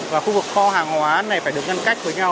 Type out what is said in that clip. và khu vực kho hàng hóa này phải được ngăn cách với nhau